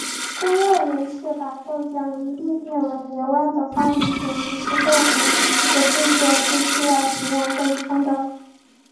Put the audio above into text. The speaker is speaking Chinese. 中外人士把豆浆一拼列为刘安的发明主因是豆腐的制作是需要使用豆浆的。